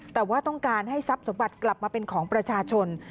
แต่ว่าต้องการให้ทรัพย์สมบัติกลับมาเป็นของประชาชน